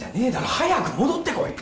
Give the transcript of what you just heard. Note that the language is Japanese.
早く戻ってこい！